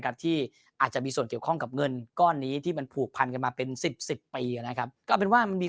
ที่อาจจะมีส่วนเกี่ยวข้องกับเงินก้อนนี้ที่มันผูกพันกันมาเป็นสิบสิบปีนะครับก็เป็นว่ามันมี